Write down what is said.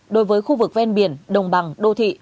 đối với khu vực ven biển đồng bằng đô thị